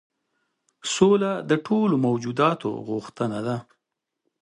سوله د ټولو موجوداتو غوښتنه ده.